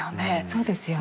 そうですよね。